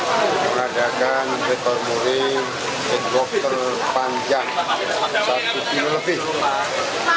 pada hari ini kita mengadakan rekor muri catwalk terpanjang satu km lebih